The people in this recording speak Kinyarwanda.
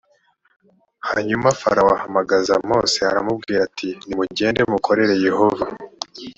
hanyuma farawo ahamagaza mose aramubwira ati nimugende mukorere yehova